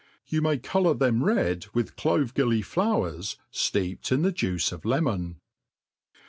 You may colour them, red witi clovc gilly flowers ftccped in the juice of lemon.